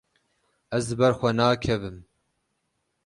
Ez li ber xwe nakevim.